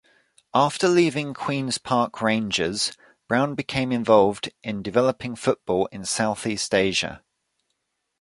After leaving Queens Park Rangers, Brown become involved in developing football in Southeast Asia.